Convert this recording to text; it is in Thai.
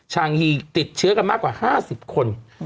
ชางยีติดเชื้อกันมากกว่า๕๐คน